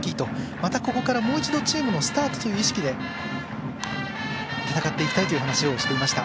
またここからもう一度チームのスタートという意識で戦いたいという話をしていました。